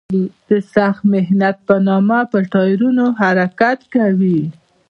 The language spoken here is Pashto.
د سخت محنت په نامه په ټایرونو حرکت کوي.